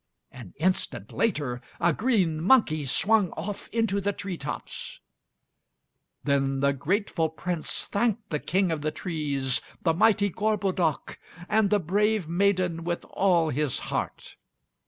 An instant later, a green monkey swung off into the tree tops. Then the grateful Prince thanked the King of the Trees, the mighty Gorbodoc, and the brave maiden, with all his heart.